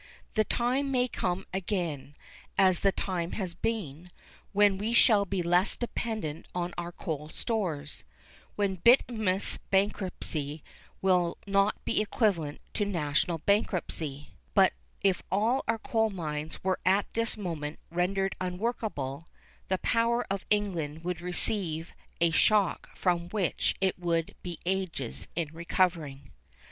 The time may come again, as the time has been, when we shall be less dependent on our coal stores,—when bituminous bankruptcy will not be equivalent to national bankruptcy; but if all our coal mines were at this moment rendered unworkable, the power of England would receive a shock from which it would be ages in recovering.